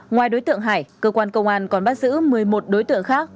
ngoài đối tượng hải cơ quan công an còn bắt giữ một mươi một đối tượng khác